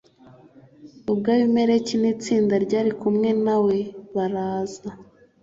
ubwo abimeleki n'itsinda ryari kumwe na we baraza